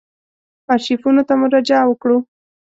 آرشیفونو ته مراجعه وکړو.